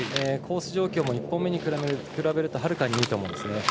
コース状況も１本目に比べるとはるかにいいと思うんですね。